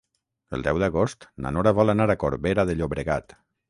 El deu d'agost na Nora vol anar a Corbera de Llobregat.